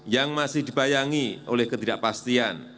yang masih dibayangi oleh ketidakpastian